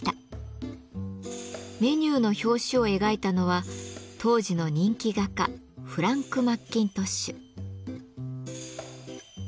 メニューの表紙を描いたのは当時の人気画家フランク・マッキントッシュ。